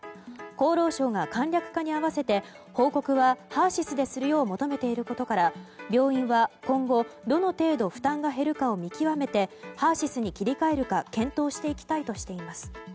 厚労省が簡略化に合わせて報告はＨＥＲ‐ＳＹＳでするよう求めていることから、病院は今後、どの程度負担が減るかを見極めてＨＥＲ‐ＳＹＳに切り替えるか検討していきたいとしています。